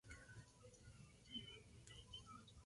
La cantidad de sangrado suele ser pequeña.